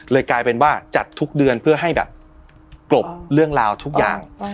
กลายเป็นว่าจัดทุกเดือนเพื่อให้แบบกลบเรื่องราวทุกอย่าง